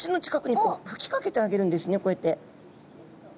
このこうやって。